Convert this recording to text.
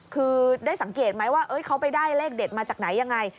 คือได้สังเกตไหมว่าเขาไปได้เลขเด็ดมาจากไหนยังไง